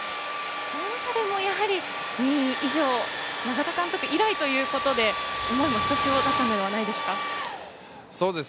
その中でも２位以上、長門監督以来ということで思いもひとしおだったのではないですか。